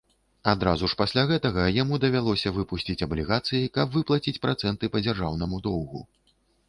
Адразу ж пасля гэтага яму давялося выпусціць аблігацыі, каб выплаціць працэнты па дзяржаўнаму доўгу.